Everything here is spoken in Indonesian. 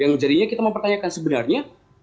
yang jadinya kita mempertanyakan sebenarnya